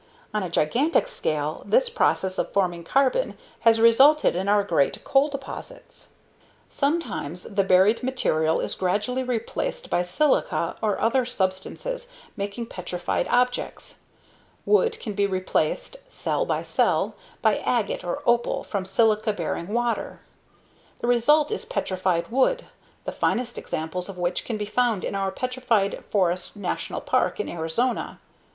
On a gigantic scale, this process of forming carbon has resulted in our great coal deposits. Sometimes the buried material is gradually replaced by silica or other substances, making petrified objects. Wood can be replaced cell by cell by agate or opal from silica bearing water. The result is petrified wood, the finest examples of which can be found in our Petrified Forest National Park in Arizona.